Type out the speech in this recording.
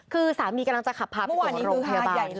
คือสามีกำลังจะขับพาไปส่งโรงพยาบาล